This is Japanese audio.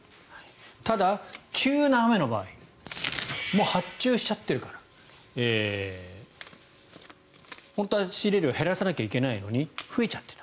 ただ、急な雨の場合もう発注しちゃっているから本当は仕入れ量を減らさないといけないのに増えちゃってた。